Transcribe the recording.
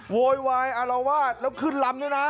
โวยวายอารวาสแล้วขึ้นลำด้วยนะ